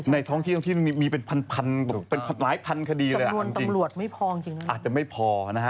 ในท้องที่มีเป็นพันหลายพันคดีเลยจำนวนตำรวจไม่พอจริงนะ